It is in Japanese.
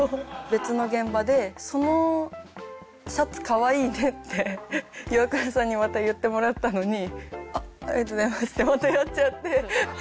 別の現場で「そのシャツかわいいね」ってイワクラさんにまた言ってもらったのに「あっありがとうございます」ってまたやっちゃって。